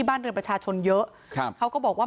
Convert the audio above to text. บ้านเรือนประชาชนเยอะครับเขาก็บอกว่า